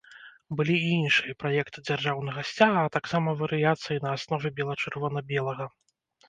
Былі і іншыя праекты дзяржаўнага сцяга, а таксама варыяцыі на аснове бела-чырвона-белага.